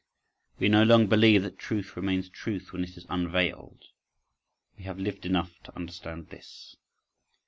… We no longer believe that truth remains truth when it is unveiled,—we have lived enough to understand this.